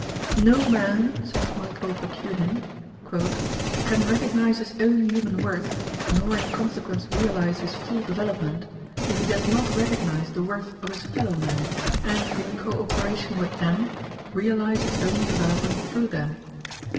"No man," says Michael Bakunin, "can recognize his own human worth, nor in consequence realize his full development, if he does not recognize the worth of his fellow men, and in co operation with them, realize his own development through them.